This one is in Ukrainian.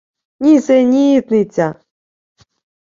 Нісенітниця!